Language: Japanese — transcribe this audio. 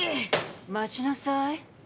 ・待ちなさい・